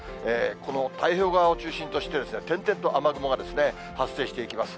この太平洋側を中心として、点々と雨雲が発生していきます。